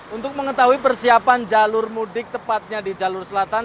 untuk mengetahui persiapan jalur mudik tepatnya di jalur selatan